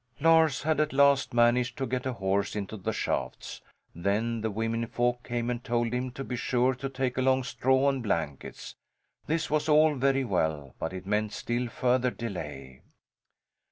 Lars had at last managed to get a horse into the shafts. Then the womenfolk came and told him to be sure to take along straw and blankets. This was all very well, but it meant still further delay.